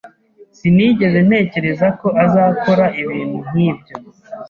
Sinigeze ntekereza ko azakora ibintu nkibyo.